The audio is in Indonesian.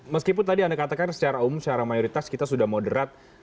meskipun tadi anda katakan secara umum secara mayoritas kita sudah moderat